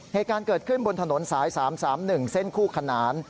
เหตุการณ์เกิดขึ้นบนถนนสาย๓๓๑เส้นคู่ขนาน